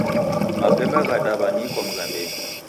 Mapemba ghadawanika mghambenyi